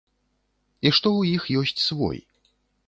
І што ў іх ёсць свой.